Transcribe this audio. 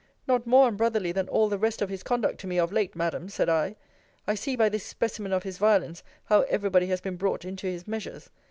Not more unbrotherly than all the rest of his conduct to me, of late, Madam, said I. I see by this specimen of his violence, how every body has been brought into his measures.